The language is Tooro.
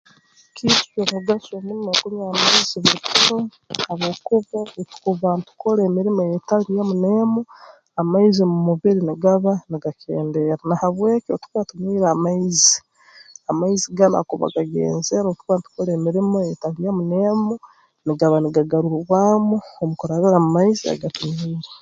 Kintu ky'omugaso muno okunywa amaizi buli kiro habwokuba obu tukuba ntukora emirimo eyeetali emu n'emu amaizi mu mubiri nigaba nigakendeera na habwekyo obu tukuba tunywire amaizi amaizi ganu agakuba gagenzere obu tukuba ntukora emirimo eyeetali emu n'emu nigaba nigarurwaamu omu kurabira mu maizi aga tunywire